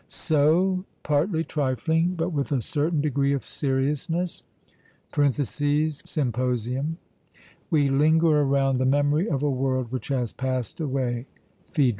So, 'partly trifling, but with a certain degree of seriousness' (Symp.), we linger around the memory of a world which has passed away (Phaedr.).